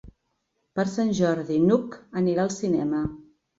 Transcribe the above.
Per Sant Jordi n'Hug anirà al cinema.